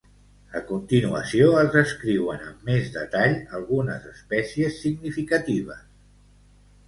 A continuació, es descriuen amb més detall algunes espècies significatives.